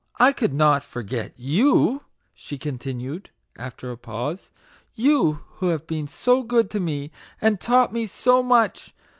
I could not forget YOU !" she continued, after a pause ;<( you, who have been so good to me, and taught me so much